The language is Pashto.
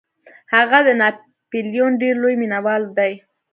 هغه د ناپلیون ډیر لوی مینوال دی.